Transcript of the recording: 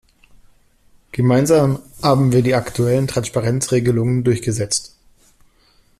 Gemeinsam haben wir die aktuellen Transparenz-Regelungen durchgesetzt.